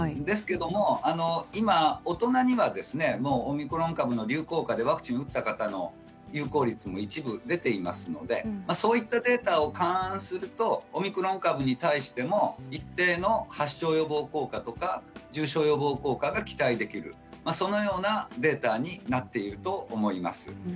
ですけれども今大人にはオミクロン株の流行下でワクチンを打った方の流行率も一部出ていますのでそういったデータを勘案するとオミクロン株に対しても一定の発症予防効果とか重症化予防効果が期待できるそのようなデータになっていると思います。